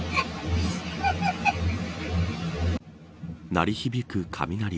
鳴り響く雷。